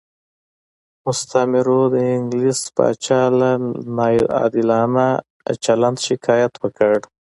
مستعمرو د انګلیس پاچا له ناعادلانه چلند شکایت وکړ.